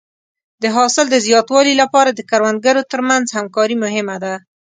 د حاصل د زیاتوالي لپاره د کروندګرو تر منځ همکاري مهمه ده.